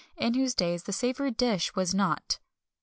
in whose days the savoury dish was not.